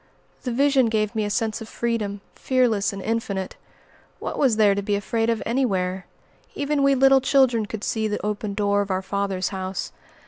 The vision gave me a sense of freedom, fearless and infinite. What was there to be afraid of anywhere? Even we little children could see the open door of our Father's house.